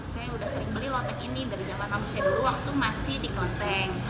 saya sudah sering beli lotek ini dari zaman saya dulu waktu masih di kelenteng